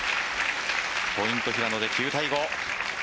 ポイント、平野で９対５。